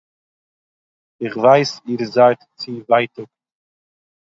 איך ווייס איר זייט צו ווייטאגט